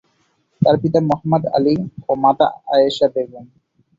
তার পিতা মুহাম্মদ আলী ও মাতা আয়েশা বেগম।